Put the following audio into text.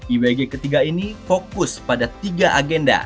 ibg ketiga ini fokus pada tiga agenda